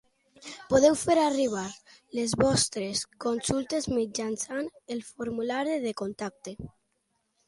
Podeu fer arribar les vostres consultes mitjançant el formulari de contacte.